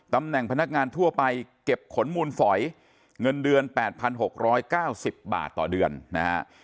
ตำแหน่งพนักงานทั่วไปเก็บขนมูลฝอยเงินเดือน๘๖๙๐บาทต่อเดือนนะฮะ